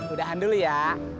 udah handul ya